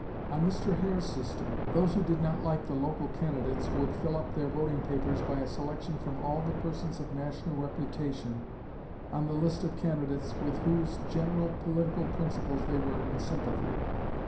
On Mr. Hare's system, those who did not like the local candidates would fill up their voting papers by a selection from all the persons of national reputation on the list of candidates with whose general political principles they were in sympathy.